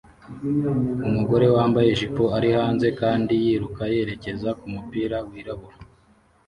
Umugore wambaye ijipo ari hanze kandi yiruka yerekeza kumupira wirabura